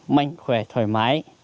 mạnh khỏe thoải mái